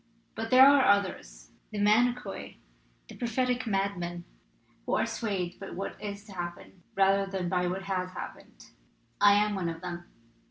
But there are others, the manikoi, the prophetic madmen, who are swayed by what is to happen rather than by what has happened. I'm one of them.